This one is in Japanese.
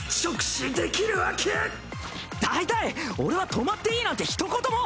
だいたい俺は泊まっていいなんてひと言も。